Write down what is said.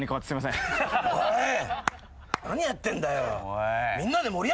何やってんだよ！